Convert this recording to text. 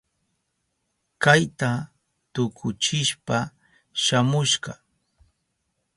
Kayta tukuchishpa shamusha.